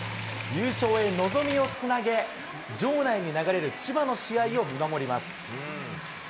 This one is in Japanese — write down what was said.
優勝へ望みをつなげ、場内に流れる千葉の試合を見守ります。